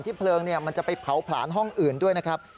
เพลิงมันจะไปเผาผลาญห้องอื่นด้วยนะครับ